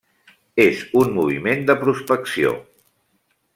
És un moviment de prospecció.